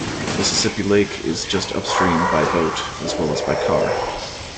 Mississippi Lake is just upstream by boat, as well as by car.